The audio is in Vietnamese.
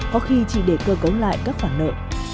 có khi chỉ để cơ cấu lại các khoản nợ